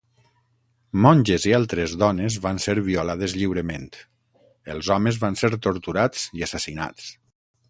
Monges i altres dones van ser violades lliurement; els homes van ser torturats i assassinats.